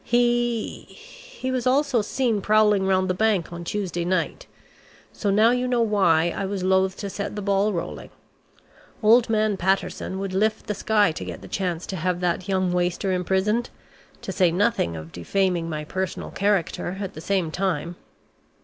He he was also seen prowling round the bank on Tuesday night. So now you know why I was loath to set the ball rolling; old man Patterson would lift the sky to get the chance to have that young waster imprisoned, to say nothing of defaming my personal character at the same time.